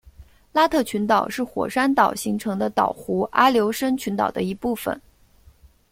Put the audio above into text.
拉特群岛是火山岛形成的岛弧阿留申群岛的一部分。